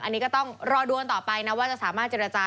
อันนี้ก็ต้องรอดูกันต่อไปนะว่าจะสามารถเจรจา